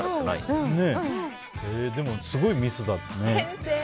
でもすごいミスだね。